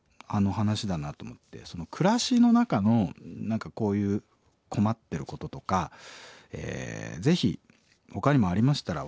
暮らしの中の何かこういう困ってることとかぜひほかにもありましたら教えてほしいです。